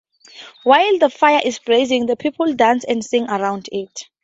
While the fire is blazing, the people dance and sing around it.